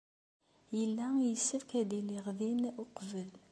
Yella yessefk ad iliɣ din uqbel.